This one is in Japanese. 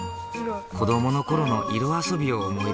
子どもの頃の色遊びを思い出す。